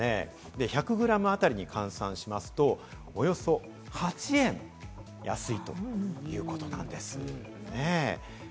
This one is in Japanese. １００グラムあたりに換算しますと、およそ８円安いということなんです。